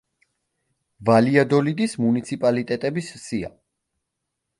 ვალიადოლიდის მუნიციპალიტეტების სია.